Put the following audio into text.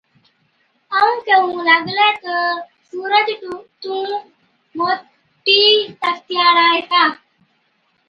ائُون ڪيهُون لاگلَي تہ، سُورج تُون موٽِي طاقتِي هاڙا هِتا۔